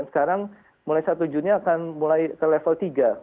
sekarang mulai satu juni akan mulai ke level tiga